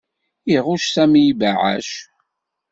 Iɣuc Sami ibeɛɛac.